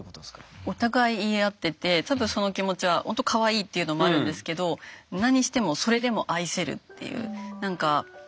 お互い言い合っててちょっとその気持ちはほんとかわいいっていうのもあるんですけど何してもそれでも愛せるっていうなんか何だろう。